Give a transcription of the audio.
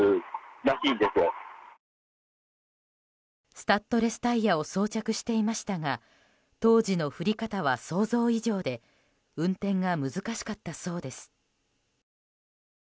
スタッドレスタイヤを装着していましたが当時の降り方は想像以上で運転が難しかったそうです。